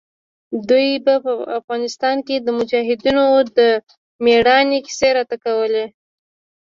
دوى به په افغانستان کښې د مجاهدينو د مېړانې کيسې راته کولې.